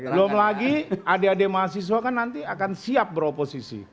belum lagi adik adik mahasiswa kan nanti akan siap beroposisi